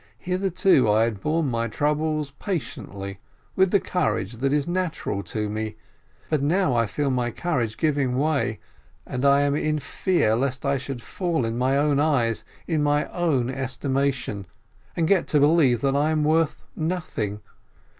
Hitherto I had borne my troubles patiently, with the courage that is natural to me; but now I feel my courage giving way, and I am in fear lest I should fall in my own eyes, in my own estimation, and get to believe that I am worth nothing.